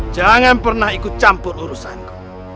jangan pernah ikut campur urusanku